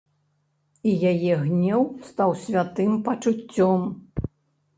І яе гнеў стаў святым пачуццём.